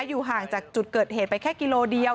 อยู่ห่างจากจุดเกิดเหตุไปแค่กิโลเดียว